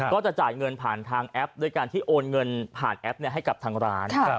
ก็จะจ่ายเงินผ่านทางแอปด้วยการที่โอนเงินผ่านแอปให้กับทางร้าน